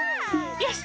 よし！